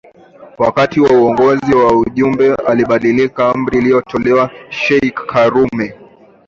Wakati wa uongozi wa Jumbe alibadilisha amri iliyotolewa na sheikh karume